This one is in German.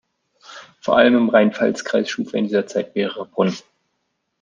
Vor allem im Rhein-Pfalz-Kreis schuf er in dieser Zeit mehrere Brunnen.